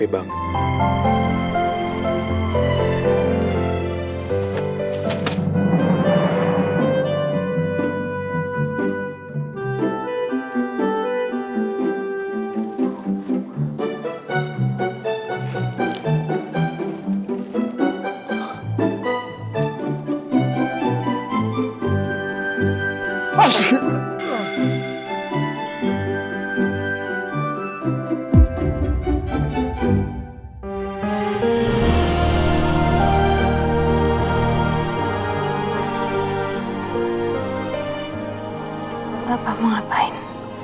bapak mau ngapain